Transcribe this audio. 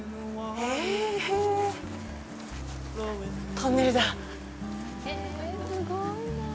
トンネルだ。